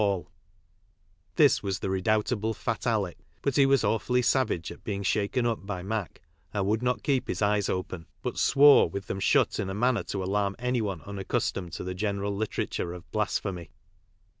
iJ 8 was the redoubtable Pat Alick, but he wonM nn 7 bei "^ 8haken "P by Mac and : would not keep bis eyes open, but swore with them , shut in a manner to alarm anyone unaccustomed to the general literature of blasphemy.